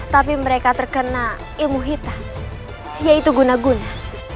tapi mereka terkena ilmu hitam yaitu guna guna